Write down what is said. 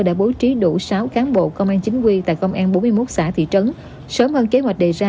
đã bố trí đủ sáu cán bộ công an chính quy tại công an bốn mươi một xã thị trấn sớm hơn kế hoạch đề ra